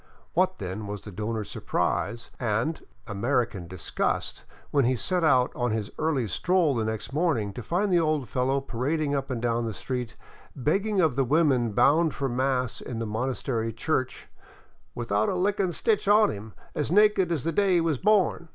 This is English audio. [What, then, was the donor's surprise and American disgust when he set out on his early stroll next morning to find the old fellow parading up and down the street, begging of the women bound for mass in the monastery church without a lickin' stitch on him, as naked as the day he was born.